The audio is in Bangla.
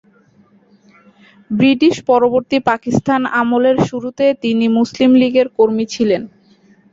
ব্রিটিশ-পরবর্তী পাকিস্তান আমলের শুরুতে তিনি মুসলিম লীগের কর্মী ছিলেন।